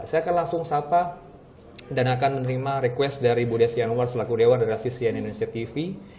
saya akan langsung sapa dan akan menerima request dari budi desian war selaku dewar redaksi sian indonesia tv